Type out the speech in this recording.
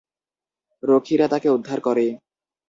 রক্ষীরা তাকে উদ্ধার করে।